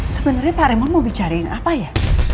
sebenarnya pak remon mau bicarain apa ya